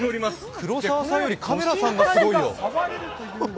黒澤さんよりカメラさんがすごいよ！